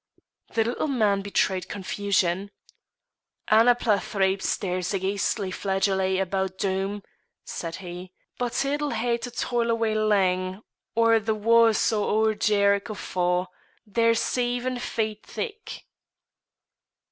The little man betrayed confusion. "Annapla thrieps there's a ghaistly flageolet aboot Doom," said he, "but it'll hae to toil away lang or the wa's o' oor Jericho fa', they're seeven feet thick."